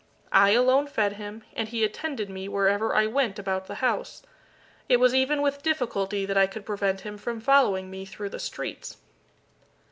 I alone fed him, and he attended me wherever I went about the house. It was even with difficulty that I could prevent him from following me through the streets.